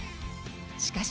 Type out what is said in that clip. しかし。